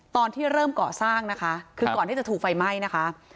ตอนที่เริ่มเกาะสร้างนะคะคือก่อนที่จะถูกไฟไหม้นะคะ